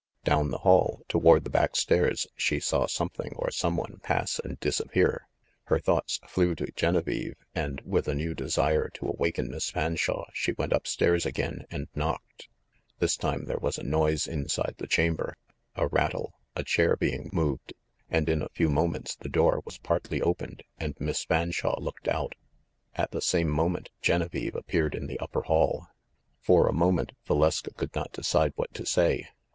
Down the hall, toward the back stairs, she saw something or some one pass and disappear. Her thoughts flew to Genevieve, and, with a new desire to awaken Miss Fanshawe, she went up stairs again and knocked. This time there was a noise inside the chamber, ‚ÄĒ a rattle, a chair being moved, ‚ÄĒ and in a few moments the door was partly opened and Miss Fanshawe looked out. At the same moment Genevieve appeared in the upper hall. For a moment Valeska could not decide what to say.